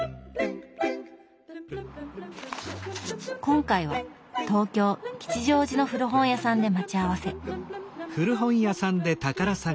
今回は東京・吉祥寺の古本屋さんで待ち合わせ。